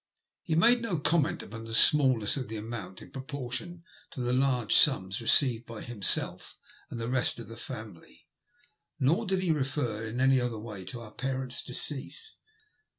He made no comment upon the smallness of the amount in proportion to the large sums received by himself and the rest of the family, nor did he refer in any other way to our parent's decease.